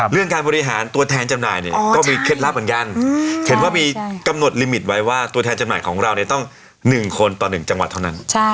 เรื่องการบริหารตัวแทนจำหน่ายเนี่ยก็มีเคล็ดลับเหมือนกันเห็นว่ามีกำหนดลิมิตไว้ว่าตัวแทนจำหน่ายของเราเนี่ยต้อง๑คนต่อ๑จังหวัดเท่านั้น